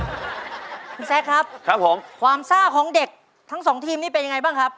คุณแซคครับครับผมความซ่าของเด็กทั้งสองทีมนี่เป็นยังไงบ้างครับ